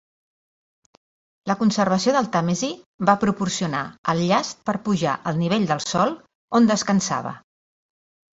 La Conservació del Tàmesi va proporcionar el llast per pujar el nivell del sòl on descansava.